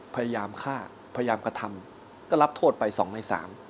พยายามฆ่าพยายามกระทำก็รับโทษไปสองในสาม